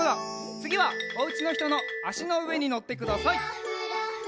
つぎはおうちのひとのあしのうえにのってください！